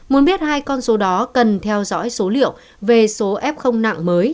muốn biết hai con số đó cần theo dõi số liệu về số f nặng mới